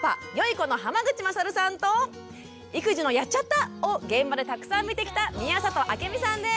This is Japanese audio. この濱口優さんと育児の「やっちゃった！」を現場でたくさん見てきた宮里暁美さんです。